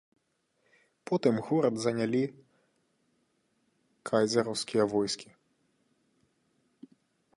Потым горад занялі кайзераўскія войскі.